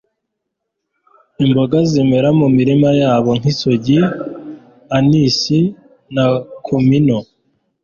imboga zimera mu mirima yabo nk'isogi, Anisi na Kumino,